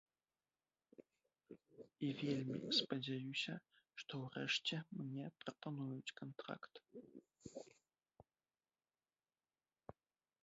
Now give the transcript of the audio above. І вельмі спадзяюся, што ўрэшце мне прапануюць кантракт.